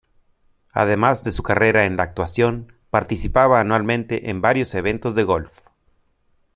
Además de su carrera en la actuación, participaba anualmente en varios eventos de golf.